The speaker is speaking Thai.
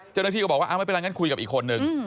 เจ้าหน้าที่ก็บอกว่าไม่เป็นไรงั้นคุยกับอีกคนนึง